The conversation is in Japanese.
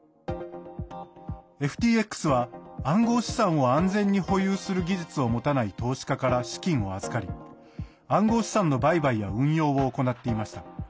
ＦＴＸは暗号資産を安全に保有する技術を持たない投資家から資金を預かり暗号資産の売買や運用を行っていました。